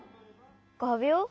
がびょう？